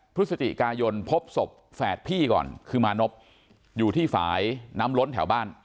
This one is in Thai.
พฤศจิกายนพบศพแฝดพี่ก่อนคือมานพอยู่ที่ฝ่ายน้ำล้นแถวบ้าน